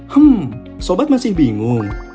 hmm sobat masih bingung